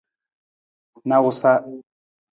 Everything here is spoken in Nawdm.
Nawusa.